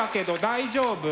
大丈夫。